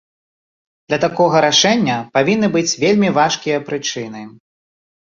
Для такога рашэння павінны быць вельмі важкія прычыны.